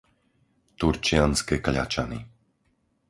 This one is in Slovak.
Turčianske Kľačany